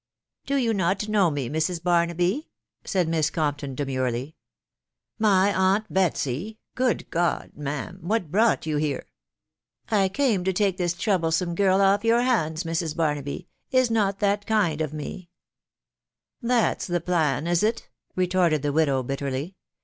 " Do you not know me, Mrs. Barnaby ?" said Miss Compton demurely. " My aunt Betsy 1 •... Good God ! ma'am, what brought you here ?"" I came to take this troublesome girl off your hands, Mrs. Barnaby: is not that kind of me ?" e< That's the plan, is it ?" retorted the widow bitterly.